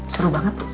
seru banget bu